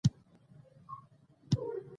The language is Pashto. پنېر له خوږو خاطرونو سره تړلی دی.